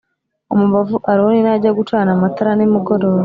umubavu Aroni najya gucana amatara nimugoroba